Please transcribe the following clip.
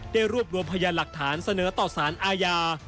รวบรวมพยานหลักฐานเสนอต่อสารอาญา